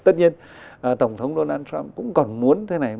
tất nhiên tổng thống donald trump cũng còn muốn thế này